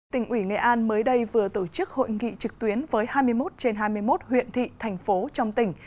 tỉnh ủy nghệ an mới đây vừa tổ chức hội nghị trực tuyến với hai mươi một trên hai mươi một huyện thị thành phố trong tỉnh